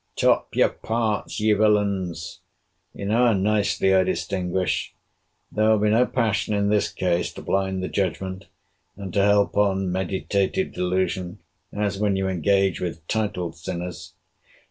Top your parts, ye villains!—You know how nicely I distinguish. There will be no passion in this case to blind the judgment, and to help on meditated delusion, as when you engage with titled sinners.